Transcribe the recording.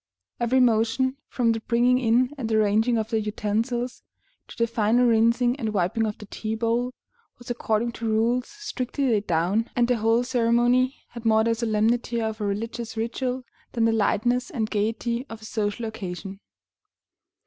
Every motion, from the bringing in and arranging of the utensils to the final rinsing and wiping of the tea bowl, was according to rules strictly laid down, and the whole ceremony had more the solemnity of a religious ritual than the lightness and gayety of a social occasion.